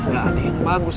gak ada yang bagus